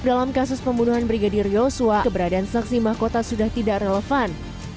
dalam kasus pembunuhan brigadir yosua keberadaan saksi mahkota sudah tidak relevan